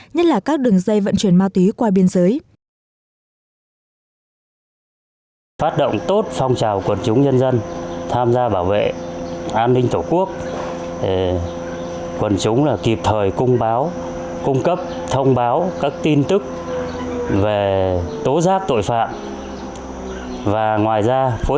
nhất là các đường dây vận chuyển ma túy qua biên giới